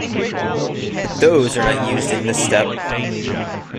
But those are not used in this step.